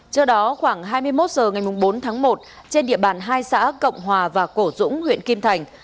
trước đó khoảng hai mươi một h ngày bốn tháng một trên địa bàn hai xã cộng hòa và cổ dũng huyện kim thành